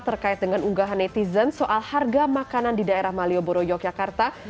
terkait dengan unggahan netizen soal harga makanan di daerah malioboro yogyakarta